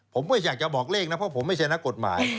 ผมก็อยากจะบอกเลขนะเพราะผมไม่ใช่นักกฎหมาย